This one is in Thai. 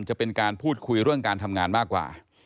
จะเป็นการพูดคุยเรื่องการทำงานมากกว่า